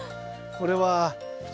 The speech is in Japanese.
これはね。